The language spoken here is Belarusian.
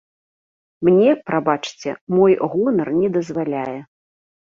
Мне, прабачце, мой гонар не дазваляе.